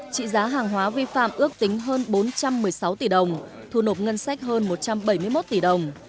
trị giá hàng hóa vi phạm ước tính hơn bốn trăm một mươi sáu tỷ đồng thu nộp ngân sách hơn một trăm bảy mươi một tỷ đồng